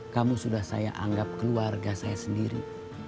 kamu sudah saya anggap keluarga saya sendiri